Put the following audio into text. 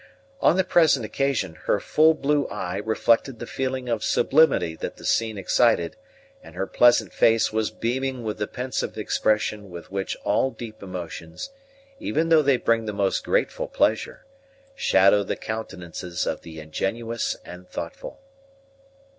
On the present occasion, her full blue eye reflected the feeling of sublimity that the scene excited, and her pleasant face was beaming with the pensive expression with which all deep emotions, even though they bring the most grateful pleasure, shadow the countenances of the ingenuous and thoughtful.